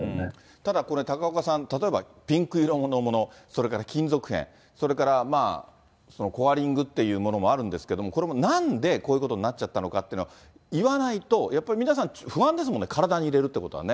ただこれ、高岡さん、例えばピンク色のもの、それから金属片、それからコアリングっていうものもあるんですけど、これもなんでこういうことになっちゃったのかっていうのは、言わないと、やっぱり皆さん、不安ですもんね、体に入れるっていうことはね。